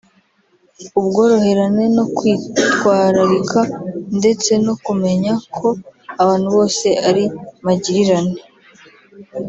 ubworoherane no kwitwararika ndetse no kumenya ko abantu bose ari magirirane